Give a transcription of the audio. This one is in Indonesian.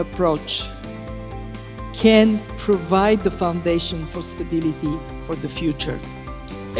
bisa memberikan asas untuk stabilitas untuk masa depan